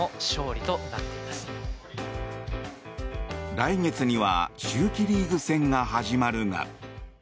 来月には秋季リーグ戦が始まるが。